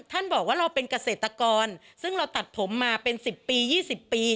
ท่านบอกว่าเราเป็นเกษตรกรซึ่งเราตัดผมมาเป็นสิบปียี่สิบปี